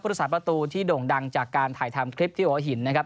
ผู้ที่สามารถประตูที่โด่งดังจากการถ่ายทำคลิปที่โหวะหินนะครับ